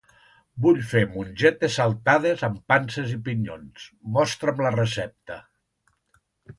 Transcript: Vull fer mongetes saltades amb panses i pinyons, mostra'm la recepta.